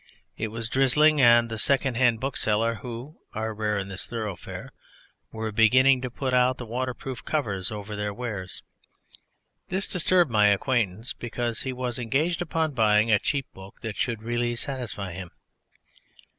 It was drizzling and the second hand booksellers (who are rare in this thoroughfare) were beginning to put out the waterproof covers over their wares. This disturbed my acquaintance, because he was engaged upon buying a cheap book that should really satisfy him.